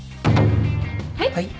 はい？